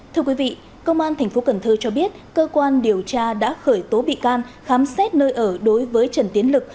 thưa quý vị công an tp cần thơ cho biết cơ quan điều tra đã khởi tố bị can khám xét nơi ở đối với trần tiến lực